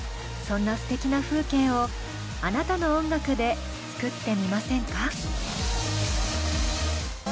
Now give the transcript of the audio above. そんなすてきな風景をあなたの音楽で作ってみませんか？